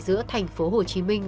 giữa thành phố hồ chí minh